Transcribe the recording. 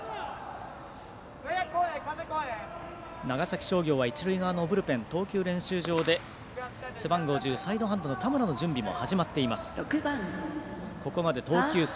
長崎商業は一塁側のブルペン投球練習場で背番号１０サイドハンドの田村の準備も始まっています。